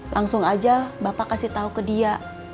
langsung aja bapak kasih tahu ke dia